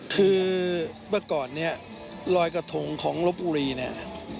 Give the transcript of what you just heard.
คือเมื่อก่อนเนี่ยลอยกระทงของลบบุรีเนี่ย